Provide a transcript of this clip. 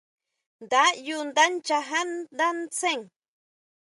Nda ʼyú ndá nyajá ndá ntsén.